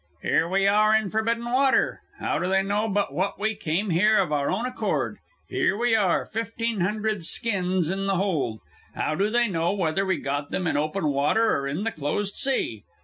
"Here we are in forbidden water. How do they know but what we came here of our own accord? Here we are, fifteen hundred skins in the hold. How do they, know whether we got them in open water or in the closed sea?